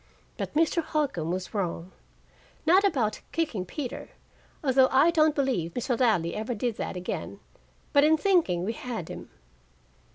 But Mr. Holcombe was wrong, not about kicking Peter, although I don't believe Mr. Ladley ever did that again, but in thinking we had him.